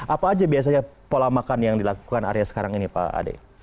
apa aja biasanya pola makan yang dilakukan arya sekarang ini pak ade